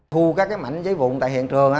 thu các cái mảnh giấy vụn tại hiện trường